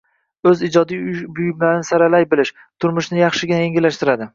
o‘z ijodiy buyumlarini saralay bilish, turmushni yaxshigina yengillashtiradi.